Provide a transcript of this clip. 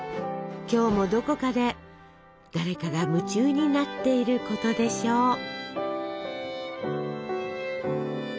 今日もどこかで誰かが夢中になっていることでしょう。